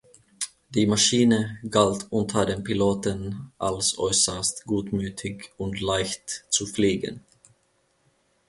Die Maschine galt unter den Piloten als äußerst gutmütig und leicht zu fliegen.